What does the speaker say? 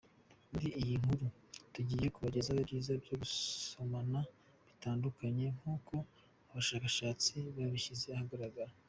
Muri iyi nkuru tugiye kubagezaho ibyiza byo gusomana bitandukanye nk’uko abashakashatsi babishyize ahagaragara.